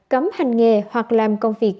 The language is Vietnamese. cấm hành nghề hoặc làm công việc